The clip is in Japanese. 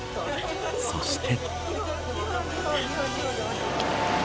そして。